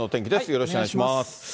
よろしくお願いします。